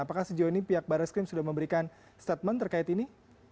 apakah sejauh ini pihak barreskrim sudah memberikan statement terkait ini